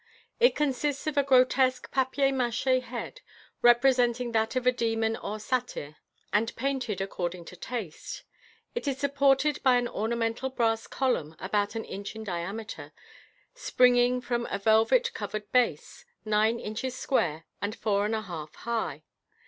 It consists of a grotesque papier mache head, representing that of a demon or satyr, and painted according to taste. It is supported by an ornamental brass column, about an inch in diameter, springing from a velvet covered base, nine inches square and four and a half high.